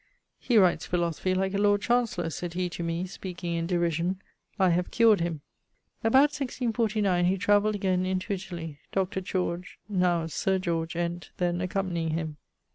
'He writes philosophy like a Lord Chancelor,' said he to me, speaking in derision; 'I have cured him.' About 1649 he travelled again into Italy, Dr. George (now Sir George) Ent, then accompanying him.